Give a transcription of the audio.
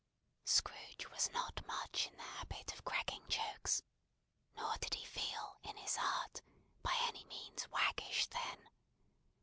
Scrooge was not much in the habit of cracking jokes, nor did he feel, in his heart, by any means waggish then.